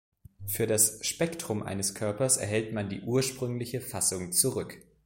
Für das Spektrum eines Körpers erhält man die ursprüngliche Fassung zurück.